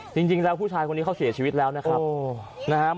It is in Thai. จริงแล้วผู้ชายคนนี้เขาเสียชีวิตแล้วนะครับ